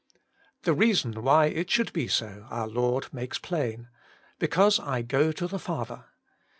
The reason why it should be so our Lord makes plain, ' Because I go to the Father.'